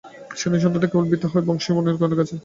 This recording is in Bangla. সেদিন সন্ধ্যাটা কেবল বৃথা হয় নাই বংশী এবং নীলকণ্ঠের কাছে।